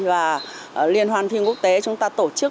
và liên hoan phim quốc tế chúng ta tổ chức